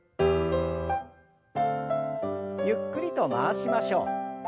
ゆっくりと回しましょう。